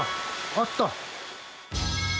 あった！